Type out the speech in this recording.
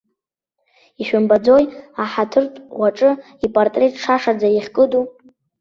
Ишәымбаӡои, аҳаҭыртә ӷәаҿы ипатреҭ шашаӡа иахькыду.